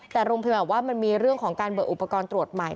แต่โรงพยาบาลบอกว่ามันมีเรื่องของการเบิกอุปกรณ์ตรวจใหม่